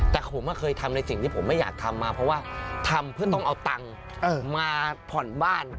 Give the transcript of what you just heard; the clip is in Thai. แต่ผมเคยทำในสิ่งที่ผมไม่อยากทำมาเพราะว่าทำเพื่อต้องเอาตังค์มาผ่อนบ้าน